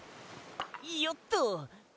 よっと！